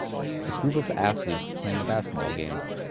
a group of athletes playing a basketball game